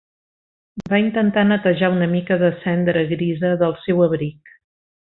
Va intentar netejar una mica de cendra grisa del seu abric.